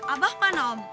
abah mana om